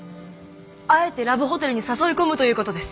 あえてラブホテルに誘い込むということです。